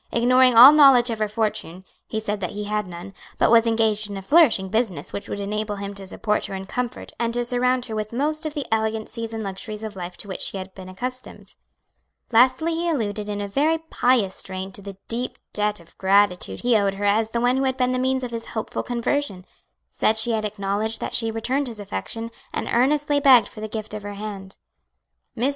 Ignoring all knowledge of her fortune, he said that he had none, but was engaged in a flourishing business which would enable him to support her in comfort and to surround her with most of the elegancies and luxuries of life to which she had been accustomed. Lastly he alluded in a very pious strain to the deep debt of gratitude he owed her as the one who had been the means of his hopeful conversion; said she had acknowledged that she returned his affection, and earnestly begged for the gift of her hand. Mr.